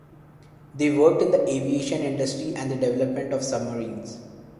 They worked in the aviation industry and the development of submarines.